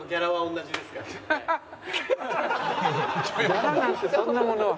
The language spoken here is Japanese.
ギャラなんてそんなものは。